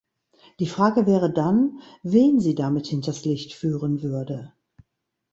Die Frage wäre dann, wen sie damit hinters Licht führen würde?